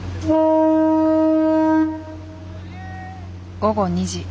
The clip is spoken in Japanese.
午後２時。